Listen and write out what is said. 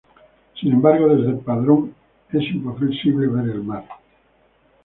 Sin embargo, desde Padrón es imposible ver el mar.